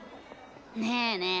ねえねえ